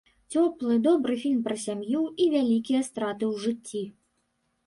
Цёплы, добры фільм пра сям'ю і вялікія страты ў жыцці.